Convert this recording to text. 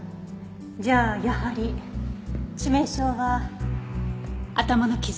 じゃあやはり致命傷は頭の傷。